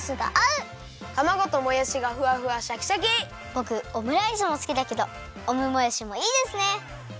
ぼくオムライスもすきだけどオムもやしもいいですね！